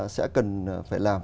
sẽ cần phải làm